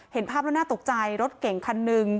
เห็นภาพแล้วน่าตกใจรถเก่งคันหนึ่ง